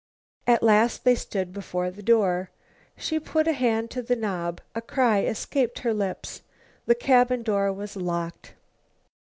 At last they stood before the door. She put a hand to the knob. A cry escaped her lips. The cabin door was locked.